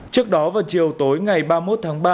trước đó vào chiều tối ngày ba mươi một tháng ba